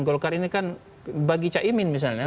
golkar ini kan bagi caimin misalnya